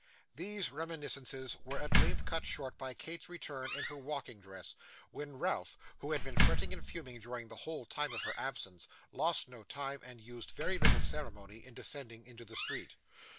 These reminiscences were at length cut short by Kate's return in her walking dress, when Ralph, who had been fretting and fuming during the whole time of her absence, lost no time, and used very little ceremony, in descending into the street.